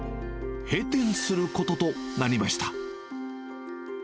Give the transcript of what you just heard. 閉店することとなりました。